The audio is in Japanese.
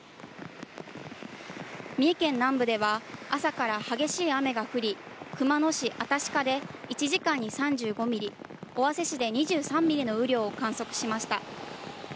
三重県南部では、朝から激しい雨が降り、熊野市新鹿で１時間に３５ミリ、尾鷲市で２３ミリの雨量を観測しました。